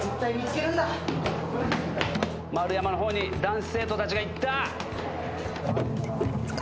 丸山の方に男子生徒たちが行った。